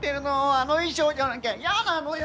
あの衣装じゃなきゃ嫌なのよ！